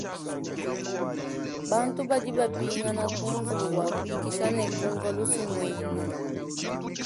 Bantu badi bapingana kunzubu bwa kuikisha ne kunvwa lusumwinu.